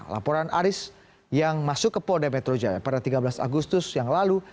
laporan aris yang masuk ke polda metro jaya pada tiga belas agustus yang lalu